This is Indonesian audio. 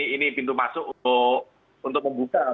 ini pintu masuk untuk membuka